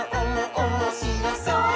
おもしろそう！」